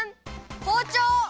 ほうちょう！